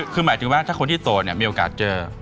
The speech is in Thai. คือหมายถึงว่าถ้าคนที่โตเนี่ยมีโอกาสเจอ